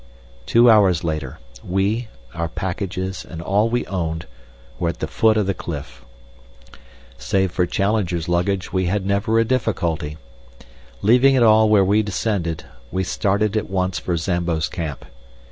Two hours later, we, our packages, and all we owned, were at the foot of the cliff. Save for Challenger's luggage we had never a difficulty. Leaving it all where we descended, we started at once for Zambo's camp.